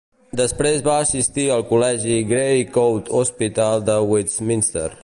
Després va assistir al col·legi Gray Coat Hospital de Westminster.